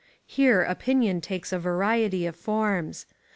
Here opinion takes a variety of forms.